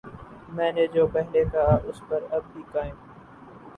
میں نے جو پہلے کہا ،اس پر اب بھی قائم ہوں